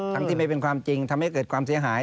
ที่ไม่เป็นความจริงทำให้เกิดความเสียหาย